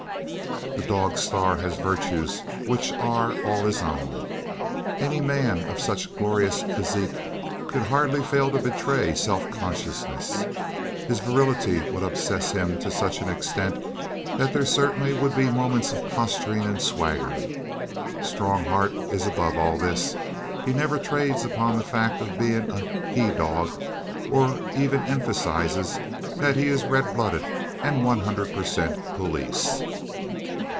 The dog star has virtues which are all his own. Any man of such glorious physique could hardly fail to betray self consciousness. His virility would obsess him to such an extent that there certainly would be moments of posturing and swagger. Strongheart is above all this. He never trades upon the fact of being a "he dog" or even emphasizes that he is red blooded and 100 per cent police.